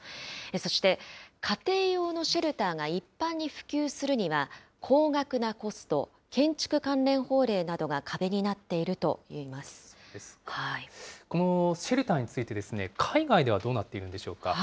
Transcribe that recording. そして、家庭用のシェルターが一般に普及するには、高額なコスト、建築関連法令などが壁になっていこのシェルターについて、海外ではどうなっているんでしょうか？